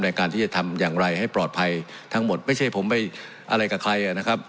ในการที่จะทำอย่างไรให้ปลอดภัยทั้งหมดไม่ใช่ผมไปอะไรกับใครนะครับ